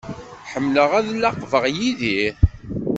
Ḥemmleɣ ad laqbeɣ Yidir.